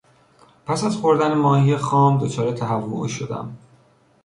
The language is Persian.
پس از خوردن ماهی خام دچار تهوع شدم.